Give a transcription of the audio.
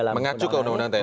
mengacu ke undang undang tni